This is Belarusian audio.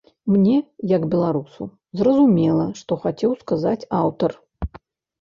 Мне, як беларусу, зразумела, што хацеў сказаць аўтар.